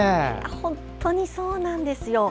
本当にそうなんですよ。